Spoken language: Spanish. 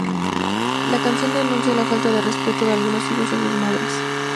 La canción denuncia la falta de respeto de algunos hijos a sus madres.